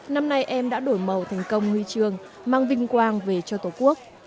năm nay em đã đổi màu thành công huy trường mang vinh quang về cho tổ quốc